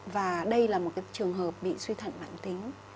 và đây là một trường hợp bị suy thận mạng tính